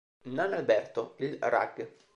Nan Alberto, il Rag.